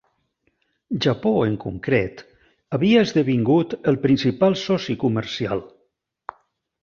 Japó en concret havia esdevingut el principal soci comercial.